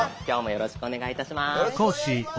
よろしくお願いします！